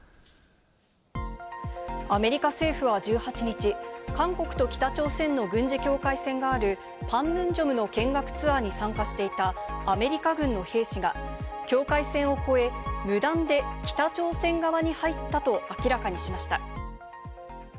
アメリカ政府は１８日、韓国と北朝鮮の軍事境界線があるパンムンジョムの見学ツアーに参加していたアメリカ軍の兵士が境界線を越え、無断で北朝鮮側に入ったと明らかにしました。